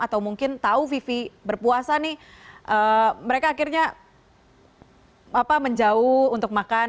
atau mungkin tahu vivi berpuasa nih mereka akhirnya menjauh untuk makan